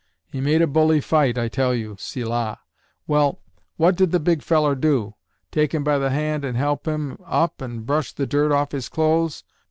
He made a bully fite, I tell you, Selah. Well, what did the big feller do? Take him by the hand and help him up and brush the dirt off his clothes?